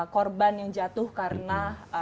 korban yang jatuh karena